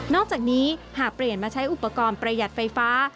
อกจากนี้หากเปลี่ยนมาใช้อุปกรณ์ประหยัดไฟฟ้า